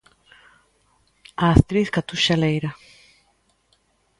A actriz Catuxa Leira.